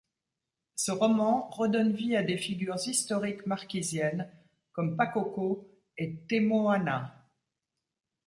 Ce roman redonne vie à des figures historiques marquisiennes, comme Pakoko et Temoana.